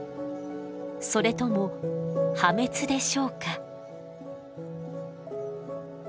それとも破滅でしょうか？